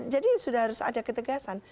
jadi sudah harus ada ketegasan